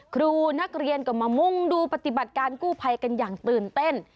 ครูนักเรียนก็มามุ่งดูปฏิบัติการกู้ภัยกันอย่างตื่นเต้น